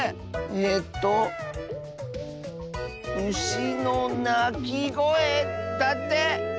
えと「うしのなきごえ」だって！